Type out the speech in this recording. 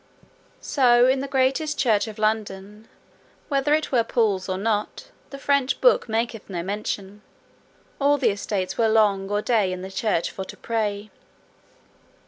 So in the greatest church of London, whether it were Paul's or not the French book maketh no mention, all the estates were long or day in the church for to pray.